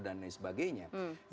dan lain sebagainya